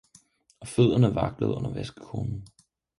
Og fødderne vaklede under vaskekonen.